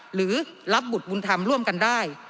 หรือรับบุตรบุญธรรมร่วมกันได้